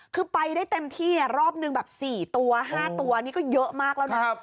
คือไปได้เต็มที่รอบนึงแบบ๔ตัว๕ตัวนี่ก็เยอะมากแล้วนะ